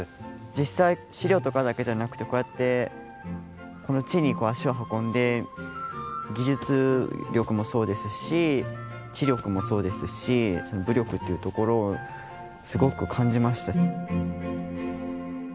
実際資料とかだけじゃなくてこうやってこの地に足を運んで技術力もそうですし知力もそうですしその武力っていうところをすごく感じました。